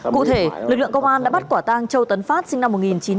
cụ thể lực lượng công an đã bắt quả tang châu tấn phát sinh năm một nghìn chín trăm tám mươi